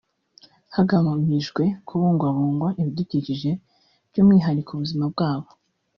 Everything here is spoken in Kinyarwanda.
hagamijwe kabungwabungwa ibidukikije by’umwihariko ubuzima bwabo